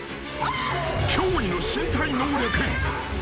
［驚異の身体能力］